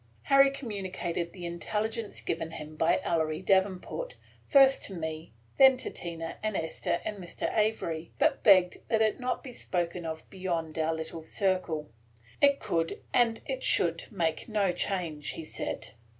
Harry communicated the intelligence given him by Ellery Davenport, first to me, then to Tina and Esther and Mr. Avery, but begged that it not be spoken of beyond our little circle. It could and it should make no change, he said.